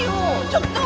ちょっと！